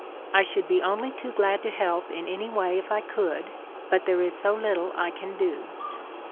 I should be only too glad to help in any way if I could, but there is so little I can do.